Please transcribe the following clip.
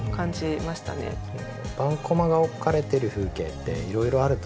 盤駒が置かれてる風景っていろいろあると思うんですよ。